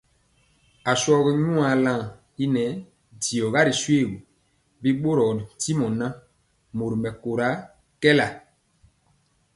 Ashɔgi nyuan lan i nɛɛ diɔga ri shoégu, bi ɓorɔɔ ntimɔ ŋan, mori mɛkóra kɛɛla.